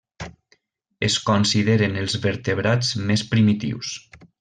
Es consideren els vertebrats més primitius.